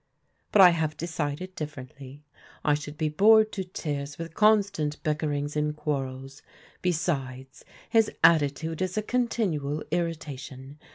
" But I have decided differently. I should be bored to tears with constant bickerings and quarrels. Besides, his attitude is a continual irritation.